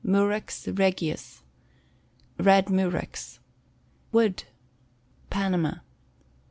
Murex Regius. Red Murex. Wood. Panama.